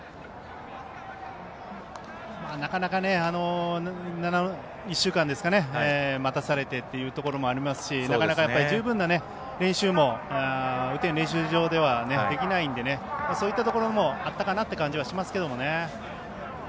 なかなか、１週間待たされてっていうところもありますしなかなか十分な練習も雨天練習場ではできないのでそういったところもあったかなという感じはしますけどね。